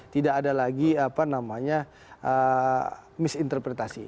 tidak ada lagi misinterpretasi